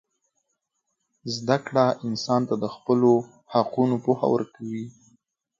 زدهکړه انسان ته د خپلو حقونو پوهه ورکوي.